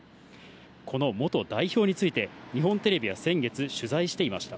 この元代表について、日本テレビは先月、取材していました。